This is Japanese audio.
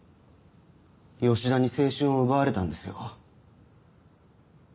吉田に青春を奪われたんですよ。